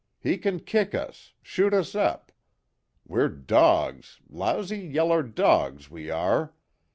He can kick us shoot us up. We're dogs lousy yeller dogs we are.